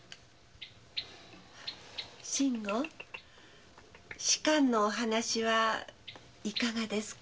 信吾仕官のお話はいかがですか？